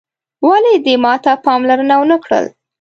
ولي دې ماته پاملرنه وه نه کړل